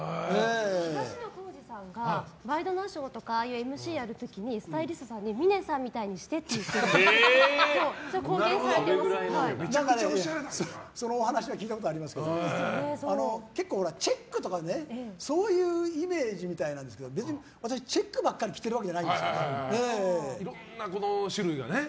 東野幸治さんが「ワイドナショー」とかＭＣをやる時にスタイリストさんに峰さんみたいにしてって言ってるとそのお話は聞いたことありますけど結構チェックとか、そういうイメージみたいなんですけど私、チェックばっかりいろんな種類をね。